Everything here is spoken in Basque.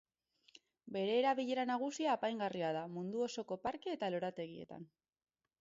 Bere erabilera nagusia apaingarria da mundu osoko parke eta lorategietan.